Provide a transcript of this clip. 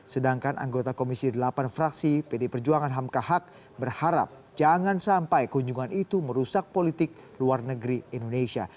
sedangkan anggota komisi delapan fraksi pd perjuangan hamkahak berharap jangan sampai kunjungan itu merusak politik luar negeri indonesia